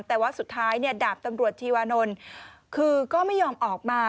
แต่ว่าสุดท้ายดาบตำรวจชีวานนท์คือก็ไม่ยอมออกมา